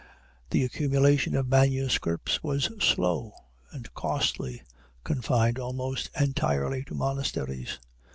The accumulation of manuscripts was slow and costly, and confined almost entirely to monasteries.